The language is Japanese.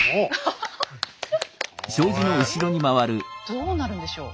どうなるんでしょう？